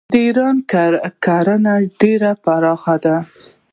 د ایران کرنه ډیره پراخه ده.